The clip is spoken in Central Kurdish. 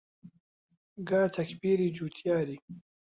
گا تەکبیری جووتیاری